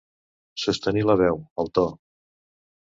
Sostenir la veu, el to.